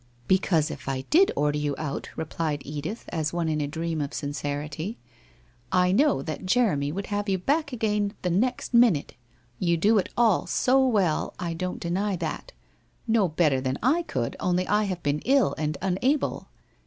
'Became if I did order you out,' replied Edith, as one in a dream of sincerity, ' I know that Jeremy would have you back again the next minute. You do it all so well, I don't deny that. Xo better than I could, only I have been ill and unable.